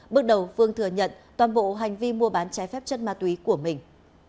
bước đầu phương thừa nhận toàn bộ hành vi mua bán trái phép chất ma túy của mình